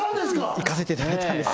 行かせていただいたんです